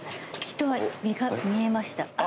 人は見えました。